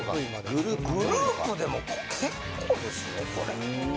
グループでも結構ですよこれ。